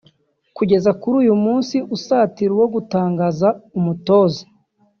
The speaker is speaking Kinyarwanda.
Kugeza kuri uyu munsi usatira uwo gutangaza umutoza